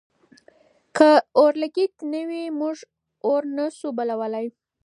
که اورلګیت نه وي، موږ اور نه شو بلولی.